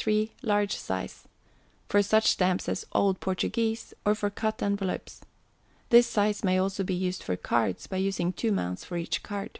3, large size for such Stamps as old Portuguese, or for cut Envelopes. This size may also be used for Cards by using two mounts for each card.